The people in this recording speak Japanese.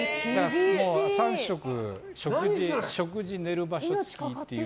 ３食食事、寝る場所付きっていう。